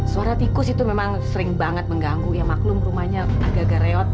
suara tikus itu memang sering banget mengganggu ya maklum rumahnya agak agak reot